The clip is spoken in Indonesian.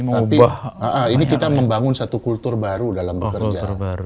tapi ini kita membangun satu kultur baru dalam bekerja